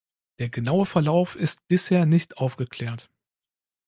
Der genaue Verlauf ist bisher nicht aufgeklärt.